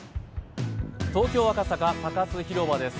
東京・赤坂、サカス広場です。